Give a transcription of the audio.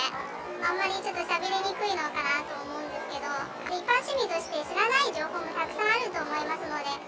あんまりちょっとしゃべりにくいのかなと思うんですけど、一般市民として知らない情報もたくさんあると思いますので。